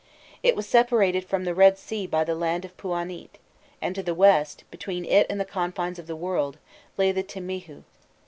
It was separated from the Red Sea by the land of Pûanît; and to the west, between it and the confines of the world, lay the Timihû.